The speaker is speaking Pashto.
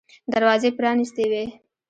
دروازې پرانیستې وې.